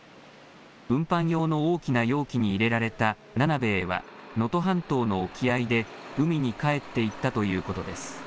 運搬用の大きな容器に入れられたナナベエは、能登半島の沖合で海に帰っていったということです。